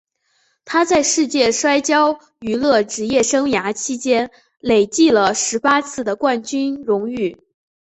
他在世界摔角娱乐职业生涯期间累计了十八次的冠军荣誉。